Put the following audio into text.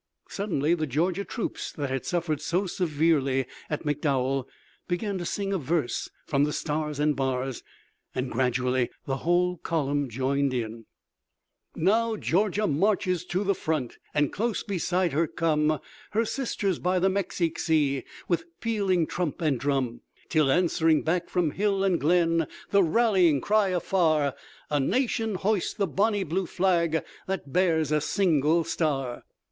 Suddenly the Georgia troops that had suffered so severely at McDowell began to sing a verse from the Stars and Bars, and gradually the whole column joined in: "Now Georgia marches to the front And close beside her come Her sisters by the Mexique sea With pealing trump and drum, Till answering back from hill and glen The rallying cry afar, A nation hoists the Bonnie Blue Flag That bears a single star."